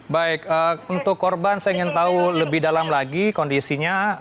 baik untuk korban saya ingin tahu lebih dalam lagi kondisinya